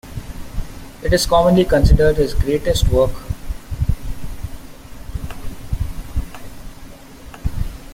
It is commonly considered his greatest work.